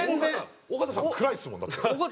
尾形さん暗いですもんだって。